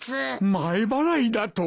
前払いだと！？